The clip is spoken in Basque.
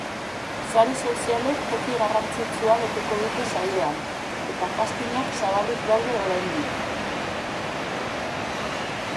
Sare sozialek toki garrantzitsua beteko dute saioan, eta castingak zabalik daude oraindik.